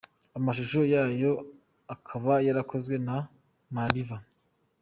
Amashusho yayo akaba yarakozwe na Ma~Riva.